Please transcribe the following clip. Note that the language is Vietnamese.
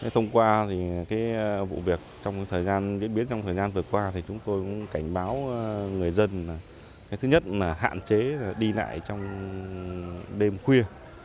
thông qua vụ việc trong thời gian vừa qua chúng tôi cũng cảnh báo người dân thứ nhất là hạn chế đi lại trong đêm khuya